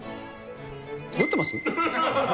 酔ってます？